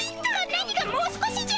何が「もう少し」じゃ！